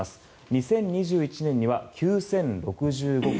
２０２１年には９０６５件。